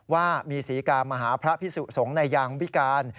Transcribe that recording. ว่ามีศรีกามาหาพระพิสุสงฆ์ในยางวิการ